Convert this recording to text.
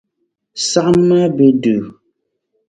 Saɣim maa be duu.